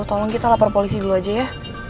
tolong kita lapor polisi dulu aja ya